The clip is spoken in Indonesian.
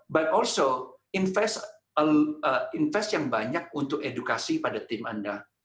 by orso invest yang banyak untuk edukasi pada tim anda